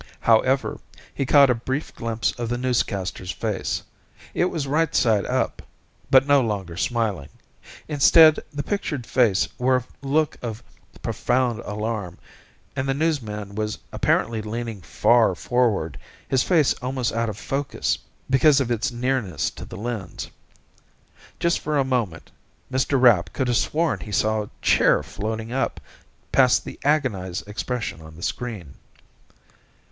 However, he caught a brief glimpse of the newscaster's face. It was right side up, but no longer smiling. Instead, the pictured face wore a look of profound alarm, and the newsman was apparently leaning far forward, his face almost out of focus because of its nearness to the lens. Just for a moment, Mr. Rapp could have sworn he saw a chair floating up, past the agonized expression on the screen.